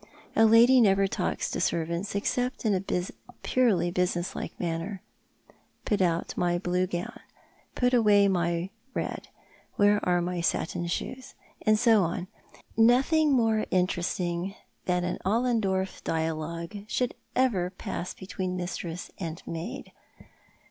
A lady never talks to servants except in a purely business like manner. " Put out my blue gown. Put away my red. Where are my satin shoes ?'' and so on. Nothing more interesting than an Ollendorff dialogue ought ever to pass between mistress and maid.